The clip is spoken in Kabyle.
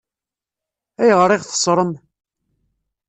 Ayɣer i ɣ-teṣṣṛem?